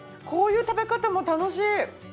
こういう食べ方も楽しい。